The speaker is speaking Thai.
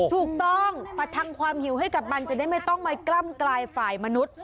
ถูกต้องประทังความหิวให้กับมันจะได้ไม่ต้องมากล้ำกลายฝ่ายมนุษย์